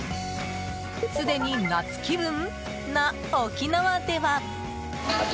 すでに夏気分な沖縄では。